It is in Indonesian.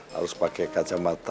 harus pakai kacamata